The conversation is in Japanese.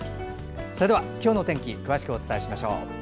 それでは今日の天気詳しくお伝えしましょう。